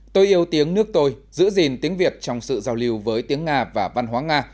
tôi yêu tiếng nước tôi giữ gìn tiếng việt trong sự giao lưu với tiếng nga và văn hóa nga